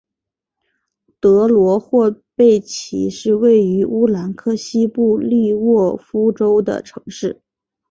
德罗霍贝奇是位于乌克兰西部利沃夫州的城市。